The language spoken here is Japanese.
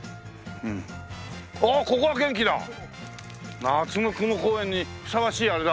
おおここは元気だ！夏の雲公園にふさわしいあれだ。